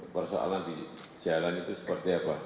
persoalan di jalan itu seperti apa